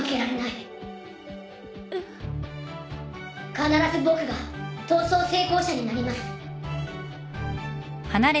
必ず僕が逃走成功者になります。